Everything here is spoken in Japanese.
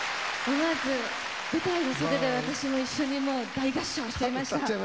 思わず舞台の袖で私も一緒に大合唱しちゃいました。